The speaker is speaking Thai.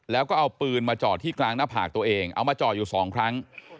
แล้วก็เอาปืนมาจอดที่กลางหน้าผากตัวเองเอามาจอดอยู่สองครั้ง